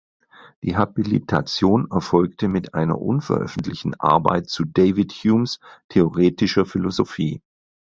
Die Habilitation erfolgte mit einer unveröffentlichten Arbeit zu David Humes theoretischer Philosophie.